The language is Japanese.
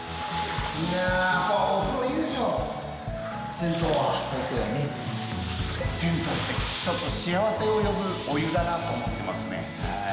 銭湯ってちょっと幸せを呼ぶお湯だなと思ってますね。